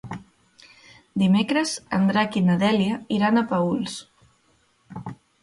Dimecres en Drac i na Dèlia iran a Paüls.